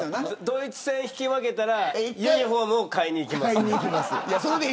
ドイツ戦引き分けたらユニホームを買いに行きます。